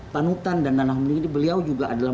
panutan dan danah mulia ini beliau juga adalah